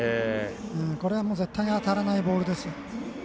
これは絶対に当たらないボールです。